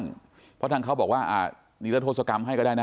เพราะทางเค้าบอกว่านี่คือละโทษกรรมให้ก็ได้นะ